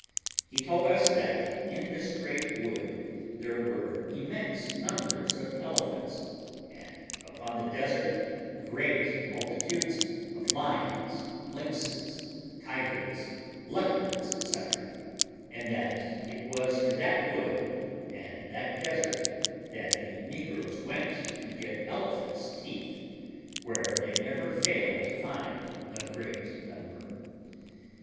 He told us that in this great wood there were immense numbers of elephants; and upon the desert, great multitudes of lions, lynxes, tigers, leopards, &c. and that it was to that wood and that desert that the negroes went to get elephants' teeth, where they never failed to find a great number.